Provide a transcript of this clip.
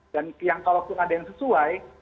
dan yang kalau ada yang sesuai